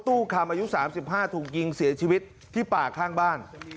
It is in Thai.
ตู้คามอายุสามสิบห้าถูงกิ้งสีธรี่ชีวิตที่ป่าข้างบ้าน